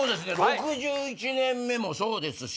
６１年目もそうですし。